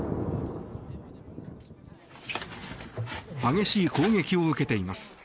激しい攻撃を受けています。